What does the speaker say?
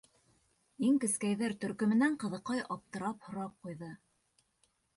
— Иң кескәйҙәр төркөмөнән ҡыҙыҡай аптырап һорап ҡуйҙы.